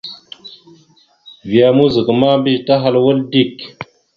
Vya mouzak ma mbiyez tahal wal dik.